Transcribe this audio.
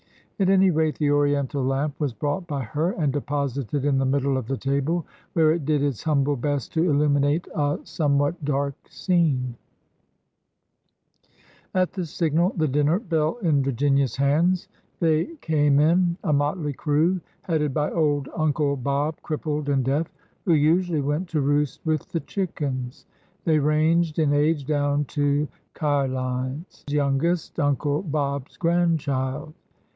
At any rate, the Oriental lamp was brought by her and deposited in the middle of the table, where it did its humble best to illuminate a some what dark scene. 86 THE LOOMTiOUSE ACADEMY 87 At the signal— the dinner bell in Virginians hands— they came in, a motley crew, headed by old Uncle Bob, crippled and deaf, who usually went to roost with the chickens. They ranged in age down to Cadine's youngest, Uncle Bob's grandchild.